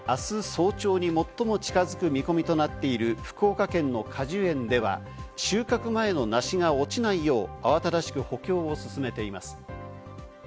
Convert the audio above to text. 早朝に最も近づく見込みとなっている福岡県の果樹園では収穫前の梨が落ちないよう、慌ただしく補強を進めています。